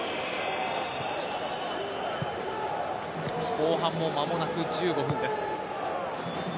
後半も間もなく１５分です。